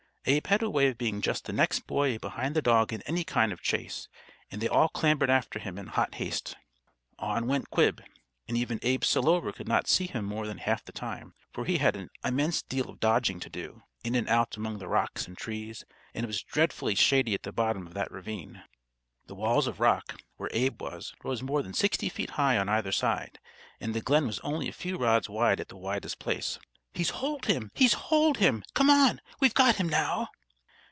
Abe had a way of being just the next boy behind the dog in any kind of chase, and they all clambered after him in hot haste. On went Quib, and even Abe Selover could not see him more than half the time, for he had an immense deal of dodging to do, in and out among the rocks and trees, and it was dreadfully shady at the bottom of that ravine. The walls of rock, where Abe was, rose more than sixty feet high on either side, and the glen was only a few rods wide at the widest place. "He's holed him! He's holed him! Come on! we've got him, now!"